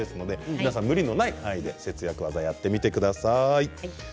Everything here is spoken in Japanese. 皆さん無理のない範囲で節約技やってみてください。